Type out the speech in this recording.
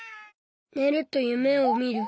ねると夢を見る。